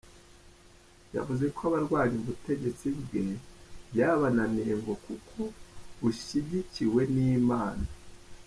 Yavuze ko abarwanya ubutegetsi bwe byabananiye ngo kuko bushyigikiwe n’Imana.